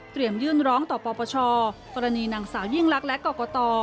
ยื่นร้องต่อปปชกรณีนางสาวยิ่งลักษณ์และกรกต